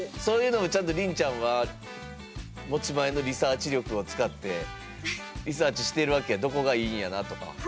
そういうのもちゃんとりんちゃんは持ち前のリサーチ力を使ってリサーチしてるわけやどこがいいんやなとか。